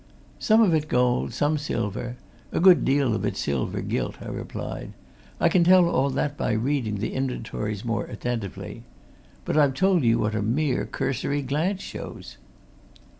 "Some of it gold, some silver, a good deal of it silver gilt," I replied. "I can tell all that by reading the inventories more attentively. But I've told you what a mere, cursory glance shows."